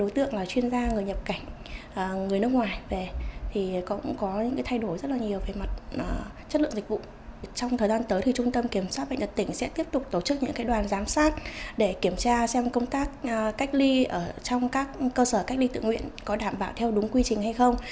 trong thời gian tới trung tâm kiểm soát bệnh tật tỉnh sẽ tiếp tục tổ chức những đoàn giám sát để kiểm tra xem công tác cách ly trong các cơ sở cách ly tự nguyện có đảm bảo theo đúng quy trình hay không